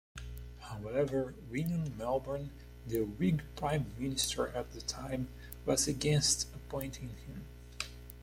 However, William Melbourne, the Whig Prime Minister at the time was against appointing him.